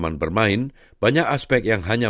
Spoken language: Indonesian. tanda tanda di kota tanah